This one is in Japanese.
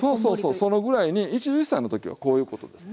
そのぐらいに一汁一菜の時はこういうことですね。